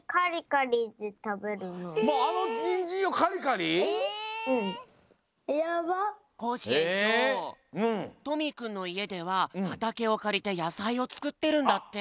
コージえんちょうトミーくんのいえでははたけをかりてやさいをつくってるんだって。